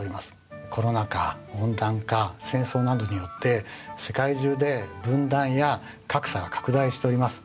コロナ禍温暖化戦争などによって世界中で分断や格差が拡大しております。